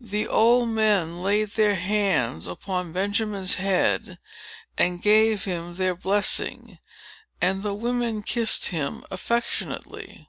The old men laid their hands upon Benjamin's head, and gave him their blessing, and the women kissed him affectionately.